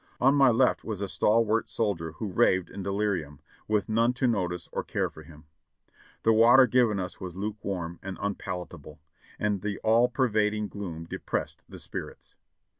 On my left was a stalwart soldier who raved in delirium, with none to notice or care for him. The water given us was lukewarm and unpalatable, and the all pervading gloom depressed the spirits.